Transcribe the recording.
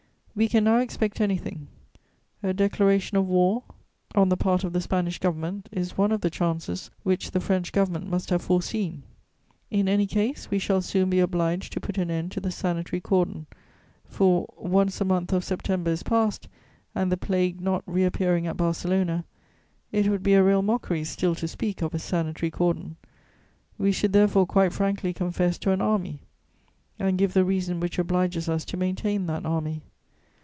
We can now expect anything: a declaration of war on the part of the Spanish Government is one of the chances which the French Government must have foreseen. In any case, we shall soon be obliged to put an end to the sanitary cordon, for, once the month of September is past and the plague not reappearing at Barcelona, it would be a real mockery still to speak of a sanitary cordon; we should therefore quite frankly confess to an army and give the reason which obliges us to maintain that army.